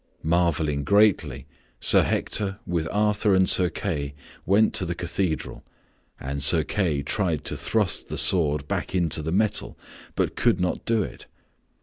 Marveling greatly, Sir Hector with Arthur and Sir Kay went to the cathedral and Sir Kay tried to thrust the sword back into the metal, but could not do it.